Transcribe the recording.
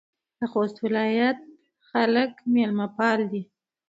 د خوست ولایت خلک میلمه پاله دي.